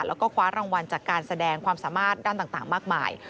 แล้วก็คว้ารางวัลจากการแสดงความสามารถด้านต่างมากมาย